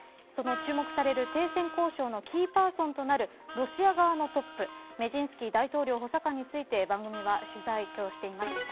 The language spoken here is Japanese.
その注目される停戦交渉のキーパーソンとなるロシア側のトップメジンスキー大統領補佐官について番組は取材、今日しています。